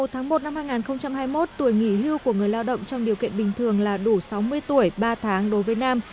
một tháng một năm hai nghìn hai mươi một tuổi nghỉ hưu của người lao động trong điều kiện bình thường là đủ sáu mươi tuổi ba tháng đối với nam